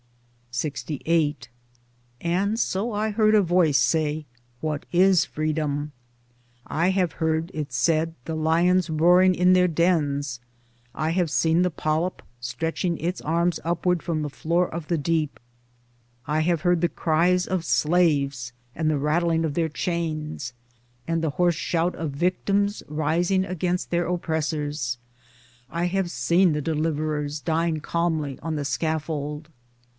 Towards Dem ocracy 1 07 LXVIII And so I heard a voice say What is Freedom ? I have heard (it said) the lions roaring in their dens ; I have seen the polyp stretching its arms upward from the floor of the deep ; I have heard the cries of slaves and the rattling of their chains, and the hoarse shout of victims rising against their oppressors ; I have seen the deliverers dying calmly on the scaffold.